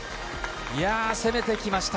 攻めてきました。